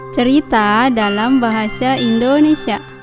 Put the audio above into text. cerita dalam bahasa indonesia